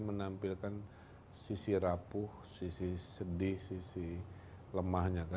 menampilkan sisi rapuh sisi sedih sisi lemahnya